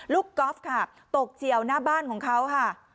กอล์ฟค่ะตกเฉียวหน้าบ้านของเขาค่ะ